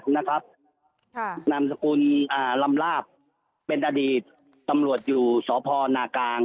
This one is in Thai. นามสกุลลำลาบเป็นอดีตตำรวจอยู่สพนก